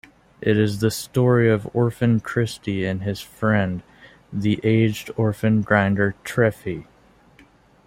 It is the story of orphaned Christie and his friend, the aged organ-grinder Treffy.